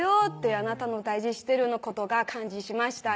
「あなたの大事してるのことが感じしましたよ」